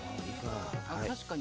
確かに。